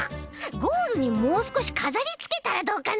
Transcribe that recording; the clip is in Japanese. ゴールにもうすこしかざりつけたらどうかな？